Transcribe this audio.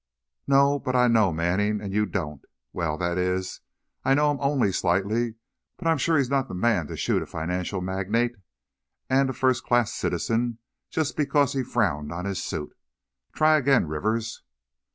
"No; but I know Manning and you don't, well, that is, I know him only slightly. But I'm sure he's not the man to shoot a financial magnate and a first class citizen just because he frowned on his suit. Try again, Rivers."